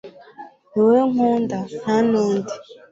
niwowe nkunda nta nundi